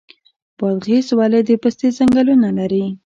بادغیس ولې د پستې ځنګلونه لري؟